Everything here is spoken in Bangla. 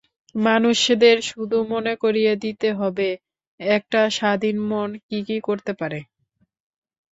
মানুষদের শুধু মনে করিয়ে দিতে হবে একটা স্বাধীন মন কী কী করতে পারে!